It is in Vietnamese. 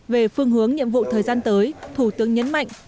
về phương hướng nhiệm vụ thời gian tới thủ tướng nhấn mạnh